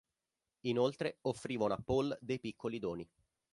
Inoltre offrivano a Paul dei piccoli doni.